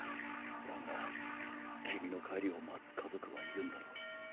だが君の帰りを待つ家族はいるんだろ？